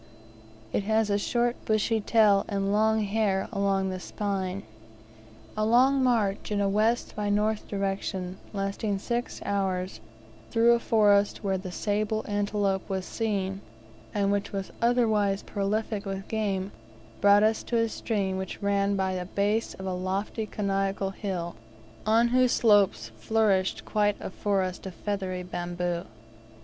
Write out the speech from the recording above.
It has a short bushy tail, and long hair along the spine. A long march in a west by north direction, lasting six hours, through a forest where the sable antelope was seen, and which was otherwise prolific with game, brought us to a stream which ran by the base of a lofty conical hill, on whose slopes flourished quite a forest of feathery bamboo.